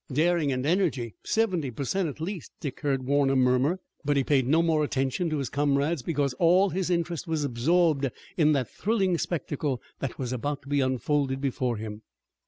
"Daring and energy, seventy per cent, at least," Dick heard Warner murmur, but he paid no more attention to his comrades because all his interest was absorbed in the thrilling spectacle that was about to be unfolded before them.